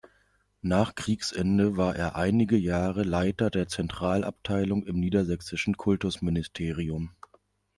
Nach Kriegsende war er einige Jahre Leiter der Zentralabteilung im Niedersächsischen Kultusministerium.